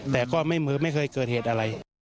แต่ก็ไม่เหมือนไม่เคยเกิดเหตุอะไร